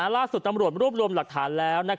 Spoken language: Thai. ล่าสุดตำรวจรวบรวมหลักฐานแล้ว